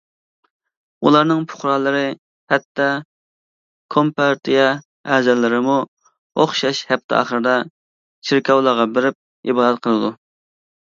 ئۇلارنىڭ پۇقرالىرى، ھەتتا كومپارتىيە ئەزالىرىمۇ ئوخشاش ھەپتە ئاخىرىدا چېركاۋلارغا بېرىپ ئىبادەت قىلىدۇ.